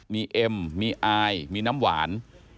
มีเอ็มมีอายมีน้ำหวาน